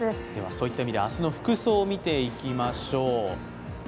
そういった意味で、明日の服装を見ていきましょう。